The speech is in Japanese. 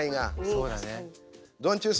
そうだね。